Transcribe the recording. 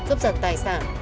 giúp giật tài sản